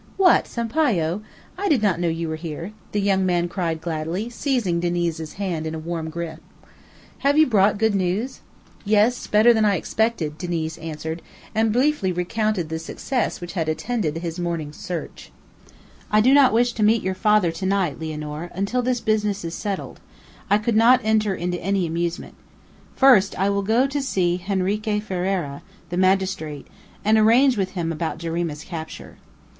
"What, Sampayo! I did not know you were here," the young man cried gladly, seizing Diniz's hand in a warm grip. "Have you brought good news?" "Yes, better than I expected," Diniz answered; and briefly recounted the success which had attended his morning's search. "I do not wish to meet your father to night, Lianor; until this business is settled, I could not enter into any amusement. First, I will go to Henrique Ferriera, the magistrate, and arrange with him about Jarima's capture."